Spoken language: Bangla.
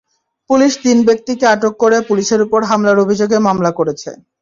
পুলিশ তিন ব্যক্তিকে আটক করে পুলিশের ওপর হামলার অভিযোগে মামলা করেছে।